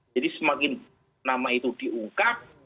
semakin nama itu diungkap